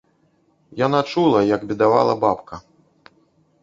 Яна чула, як бедавала бабка.